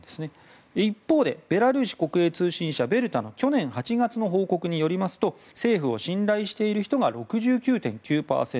一方で、ベラルーシ国営通信社ベルタの去年８月の報告によりますと政府を信頼している人が６９．９％。